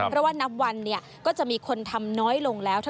เพราะว่านับวันก็จะมีคนทำน้อยลงแล้ว